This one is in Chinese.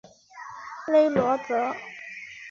勒罗泽。